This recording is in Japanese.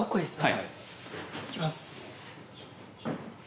はいいきます